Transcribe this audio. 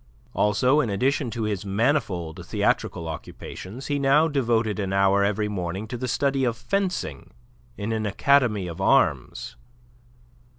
Also, in addition to his manifold theatrical occupations, he now devoted an hour every morning to the study of fencing in an academy of arms.